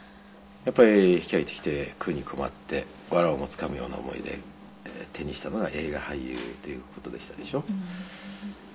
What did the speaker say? やっぱり引き揚げてきて食うに困って藁をもつかむような思いで手にしたのが映画俳優という事でしたでしょ。